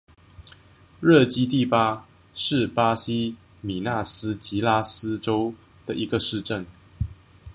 热基蒂巴是巴西米纳斯吉拉斯州的一个市镇。